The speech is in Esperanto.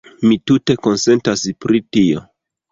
Mi tute konsentas pri tio.